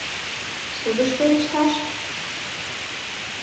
Судыш верешташ?..